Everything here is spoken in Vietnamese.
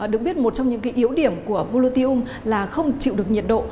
được biết một trong những cái yếu điểm của bolutinum là không chịu được nhiệt độ